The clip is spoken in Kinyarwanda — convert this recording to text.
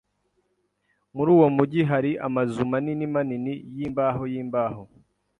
Muri uwo mujyi hari amazu manini manini yimbaho yimbaho.